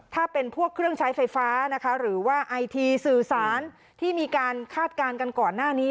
ถ้าเป็นพวกเครื่องใช้ไฟฟ้านะคะหรือว่าไอทีสื่อสารที่มีการคาดการณ์กันก่อนหน้านี้